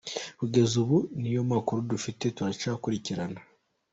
Kugeza ubu niyo makuru dufite, turacyakurikirana.”